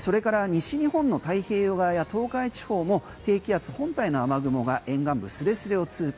それから西日本の太平洋側や東海地方も低気圧本体の雨雲が沿岸部すれすれを通過。